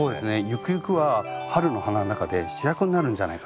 ゆくゆくは春の花の中で主役になるんじゃないかなって。